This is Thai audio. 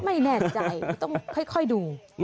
ไม่แน่ใจต้องค่อยดู